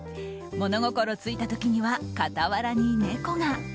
物心ついた時には、傍らに猫が。